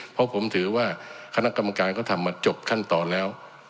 เพราะผมถือว่าคณะกรรมการเขาทำมาจบขั้นตอนแล้ว